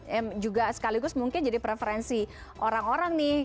yang juga sekaligus mungkin jadi preferensi orang orang nih